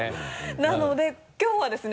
なのできょうはですね